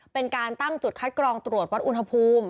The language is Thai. เป็นการตั้งจุดคัดกรองตรวจวัดอุณหภูมิ